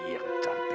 yang cantik itu